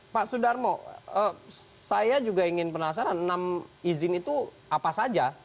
pak sudarmo saya juga ingin penasaran enam izin itu apa saja